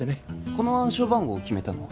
この暗証番号を決めたのは？